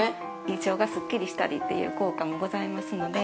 胃腸がすっきりしたりという効果もございますので。